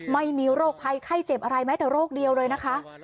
ไม่มีโรคภัยไข้เจ็บอะไรแม้แต่โรคเดียวเลยนะคะ